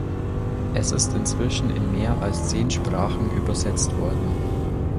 Es ist inzwischen in mehr als zehn Sprachen übersetzt worden.